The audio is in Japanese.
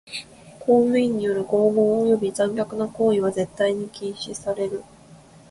公務員による拷問および残虐な行為は絶対に禁止される。